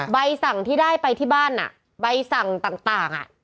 ใบสั่งที่ได้ไปที่บ้านใบสั่งต่าง